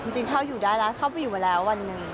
จริงเข้าอยู่ได้แล้วเข้าไปอยู่มาแล้ววันหนึ่ง